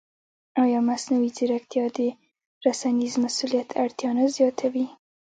ایا مصنوعي ځیرکتیا د رسنیز مسؤلیت اړتیا نه زیاتوي؟